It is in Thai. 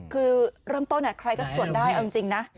คือเริ่มต้นใครก็สวดได้เอาจริงนะ